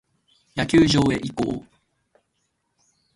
野球場へ移行。